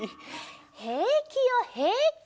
へいきよへいき。